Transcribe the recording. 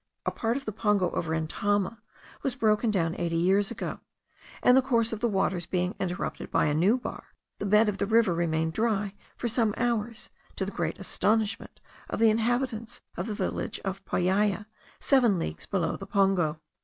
A part of the pongo of Rentama was broken down eighty years ago, and the course of the waters being interrupted by a new bar, the bed of the river remained dry for some hours, to the great astonishment of the inhabitants of the village of Payaya, seven leagues below the pongo.